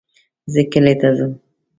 زه کلي ته ځم